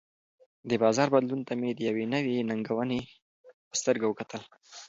د بازار بدلون ته مې د یوې نوې ننګونې په سترګه وکتل.